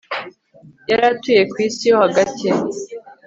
Yari atuye ku isi yo hagati